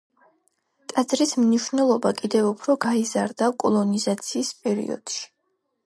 ტაძრის მნიშვნელობა კიდევ უფრო გაიზარდა კოლონიზაციის პერიოდში.